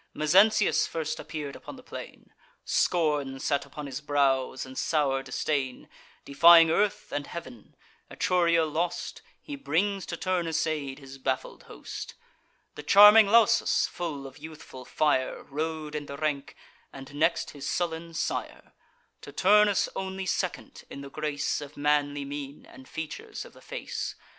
Mezentius first appear'd upon the plain: Scorn sate upon his brows, and sour disdain, Defying earth and heav'n. Etruria lost, He brings to Turnus' aid his baffled host. The charming Lausus, full of youthful fire, Rode in the rank, and next his sullen sire; To Turnus only second in the grace Of manly mien, and features of the face.